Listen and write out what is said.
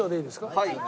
はい。